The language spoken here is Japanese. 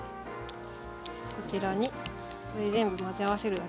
こちらにこれ全部混ぜ合わせるだけ。